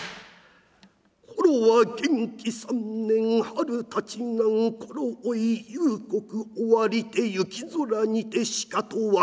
頃は元亀三年春立ちなん頃おい夕刻終わりて雪空にてしかと分からね